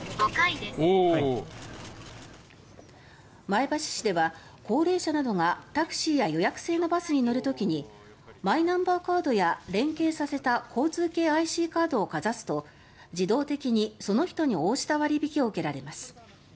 前橋市では高齢者などがタクシーや予約制のバスに乗る時にマイナンバーカードや連携させた交通系ＩＣカードをかざすと自動的に、その人に応じた割引を受けられます。